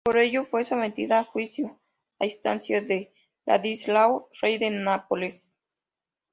Por ello, fue sometida a juicio, a instancia de Ladislao, rey de Nápoles.